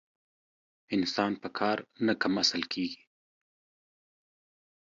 انسان په کار نه کم اصل کېږي.